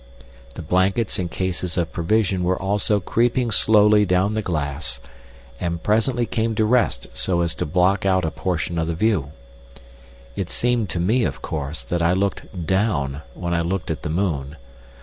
The blankets and cases of provisions were also creeping slowly down the glass, and presently came to rest so as to block out a portion of the view. It seemed to me, of course, that I looked "down" when I looked at the moon.